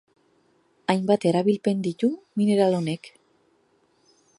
Hainbat erabilpen ditu mineral honek.